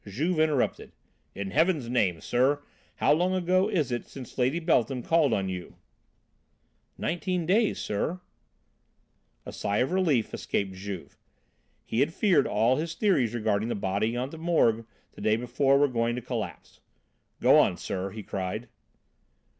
Juve interrupted: "In Heaven's name, sir, how long ago is it since Lady Beltham called on you?" "Nineteen days, sir." A sigh of relief escaped Juve. He had feared all his theories regarding the body at the Morgue the day before were going to collapse. "Go on, sir," he cried.